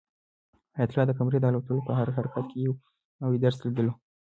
حیات الله د قمرۍ د الوتلو په هر حرکت کې یو نوی درس لیدلو.